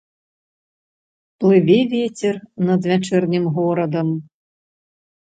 Плыве вецер над вячэрнім горадам.